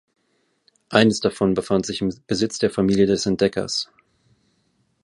Eines davon befand sich im Besitz der Familie des Entdeckers.